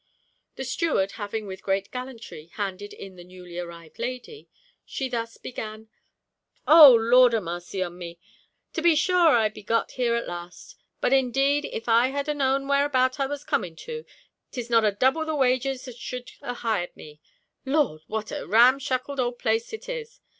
The steward having with great gallantry handed in the newly arrived lady, she thus began: 'Oh! Lord a marcy on me! to be shore I be got here at last! But indeed if I had a known whereabout I was a coming to, 'tis not a double the wagers as should a hired me. Lord! why what a ramshakel ould place it is!